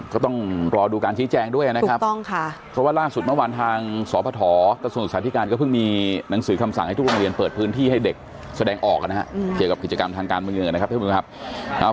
ก็ต้องรอดูการชี้แจงด้วยนะครับถูกต้องค่ะเพราะว่าล่าสุดเมื่อวานทางสพกระทรวงศึกษาธิการก็เพิ่งมีหนังสือคำสั่งให้ทุกโรงเรียนเปิดพื้นที่ให้เด็กแสดงออกนะฮะเกี่ยวกับกิจกรรมทางการเมืองนะครับท่านผู้ชมครับ